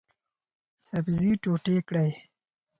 سبزي ټوټې کړئ